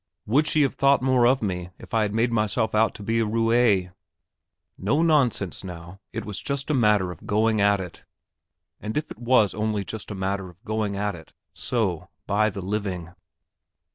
Would she have thought more of me if I had made myself out to be a roué?... No nonsense now;... it was just a matter of going at it; and if it was only just a matter of going at it, so, by the living...